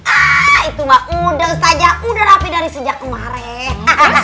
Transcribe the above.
ah itu mah ustadzah udah rapi dari sejak kemarin